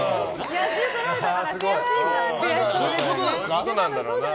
野獣とられたから悔しいんだ。